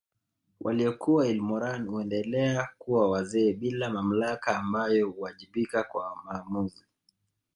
Waliokuwa ilmoran huendelea kuwa wazee bila mamlaka ambao huwajibika kwa maamuzi